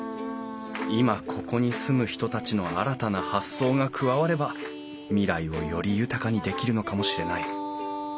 今ここに住む人たちの新たな発想が加われば未来をより豊かにできるのかもしれない。